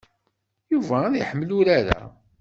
Yuba ad iḥemmel urar-a.